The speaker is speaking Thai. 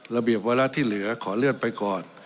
ระเบียบวาระที่เหลือขอเลื่อนไปก่อน